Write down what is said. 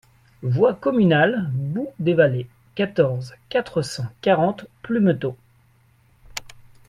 Voie Communale Bout des Vallées, quatorze, quatre cent quarante Plumetot